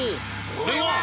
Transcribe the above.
これは！